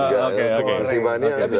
tapi saya kira pun juga diaudit